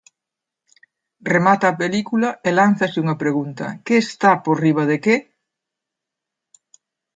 Remata a película e lánzase unha pregunta: que está por riba de que?